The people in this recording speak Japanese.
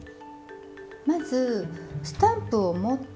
まずスタンプを持って。